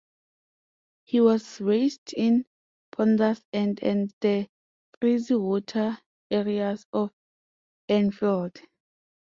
He was raised in Ponders End and the Freezywater areas of Enfield.